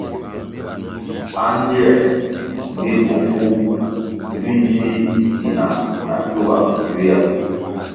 Andtier bir bofu vi zi sina na tugá bvul ywia.